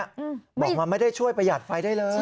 อืมบอกว่าไม่ได้ช่วยประหยัดไฟได้เลย